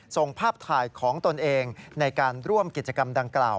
ส่งภาพถ่ายของตนเองในการร่วมกิจกรรมดังกล่าว